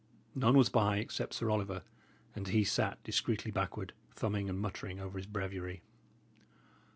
None was by except Sir Oliver, and he sat discreetly backward, thumbing and muttering over his breviary.